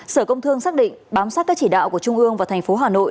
sở công thương xác định bám sát các chỉ đạo của trung ương và tp hà nội